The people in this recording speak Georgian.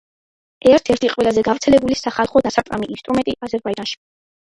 ერთ-ერთი ყველაზე გავრცელებული სახალხო დასარტყამი ინსტრუმენტი აზერბაიჯანში.